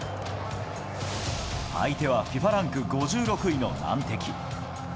相手はＦＩＦＡランク５６位の難敵。